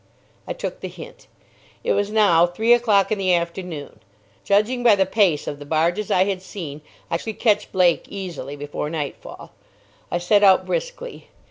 I took the hint. It was now three o'clock in the afternoon. Judging by the pace of the barges I had seen, I should catch Blake easily before nightfall. I set out briskly.